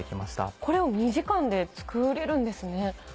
これを２時間で作れるんですね。